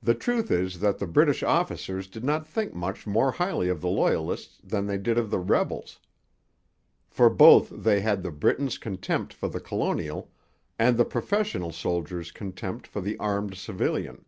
The truth is that the British officers did not think much more highly of the Loyalists than they did of the rebels. For both they had the Briton's contempt for the colonial, and the professional soldier's contempt for the armed civilian.